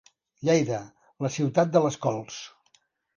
Lleida, la ciutat de les cols.